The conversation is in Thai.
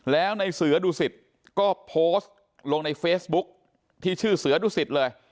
แล้วในเสือดุสิตก็โพสต์ลงในเฟซบุ๊คที่ชื่อเสือดุสิตเลย